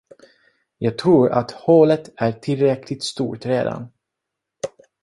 Jag tror, att hålet är tillräckligt stort redan.